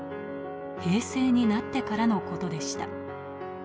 平成になってからのことでした。